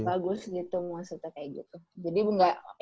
bagus gitu maksudnya kayak gitu